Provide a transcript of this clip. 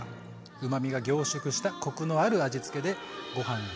うまみが凝縮したコクのある味付けでご飯が進む炒め物。